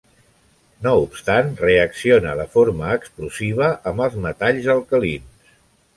No obstant, reacciona de forma explosiva amb els metalls alcalins.